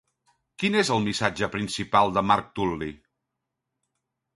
Quin és el missatge principal de Marc Tul·li?